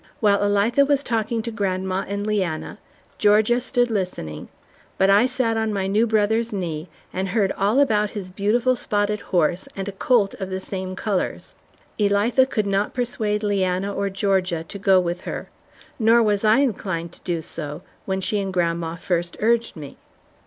While Elitha was talking to grandma and Leanna, Georgia stood listening, but I sat on my new brother's knee and heard all about his beautiful spotted horse and a colt of the same colors. Elitha could not persuade Leanna or Georgia to go with her, nor was I inclined to do so when she and grandma first urged me.